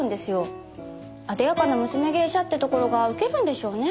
艶やかな娘芸者ってところがウケるんでしょうね。